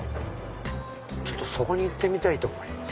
そこに行ってみたいと思います。